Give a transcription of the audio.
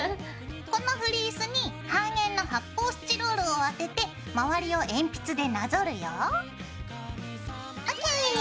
このフリースに半円の発泡スチロールを当てて周りを鉛筆でなぞるよ。ＯＫ。